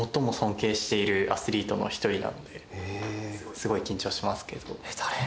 すごい緊張しますけど。